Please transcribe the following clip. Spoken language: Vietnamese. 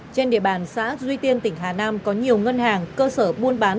trên địa bàn xã duy tiên tỉnh hà nam có nhiều ngân hàng cơ sở buôn bán